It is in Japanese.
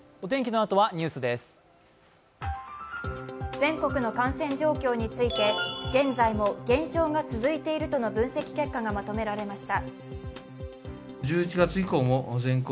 全国の感染状況について、現在も減少が続いているとの分析結果がまとめられました。